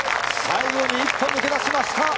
最後に一歩抜け出しました！